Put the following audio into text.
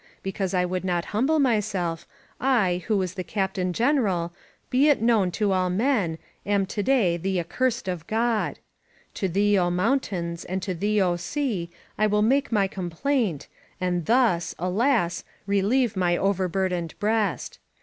Because I would not humble myself, I, who was the Captain Gen eral, be it known to all men, am to day the accursed of God. ... To thee, O mountains, and to thee, O sea, I will make my complaint, and thus — alas! — re 816 LOS PASTORES Keve my overburdened breast.